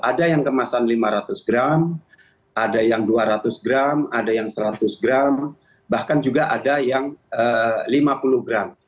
ada yang kemasan lima ratus gram ada yang dua ratus gram ada yang seratus gram bahkan juga ada yang lima puluh gram